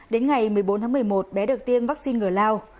đến ngày một mươi bốn tháng một mươi một bé được tiêm vaccine ngừa lao